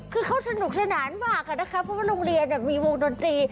คือเขาสนุกสนานมากอะนะคะเพราะว่าโรงเรียนมีวงดนตรี